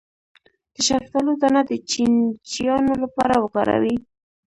د شفتالو دانه د چینجیانو لپاره وکاروئ